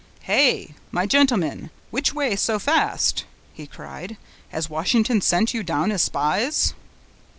"Hey! my gentlemen, which way so fast?" he cried, "Has Washington sent you down as spies?"